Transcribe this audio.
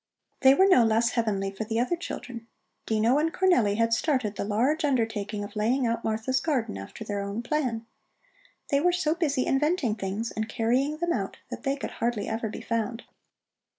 They were no less heavenly for the other children. Dino and Cornelli had started the large undertaking of laying out Martha's garden after their own plan. They were so busy inventing things and carrying them out that they could hardly ever be found.